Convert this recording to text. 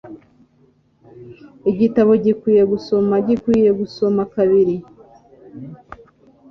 Igitabo gikwiye gusoma gikwiye gusoma kabiri.